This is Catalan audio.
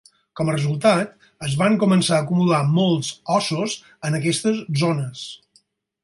Com a resultat, es van començar a acumular molts ossos en aquestes zones.